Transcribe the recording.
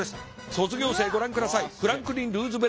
卒業生ご覧ください。